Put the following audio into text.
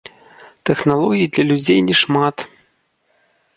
Тэхналогій для людзей не шмат.